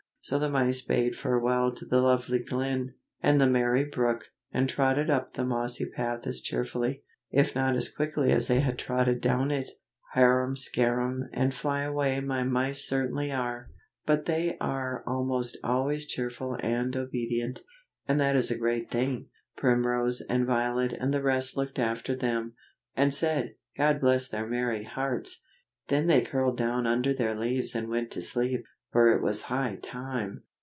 So the mice bade farewell to the lovely glen, and the merry brook, and trotted up the mossy path as cheerfully, if not as quickly as they had trotted down it. Harum scarum and flyaway my mice certainly are, but they are almost always cheerful and obedient, and that is a great thing. Primrose and Violet and the rest looked after them, and said, "God bless their merry hearts!" then they curled down under their leaves and went to sleep, for it was high time.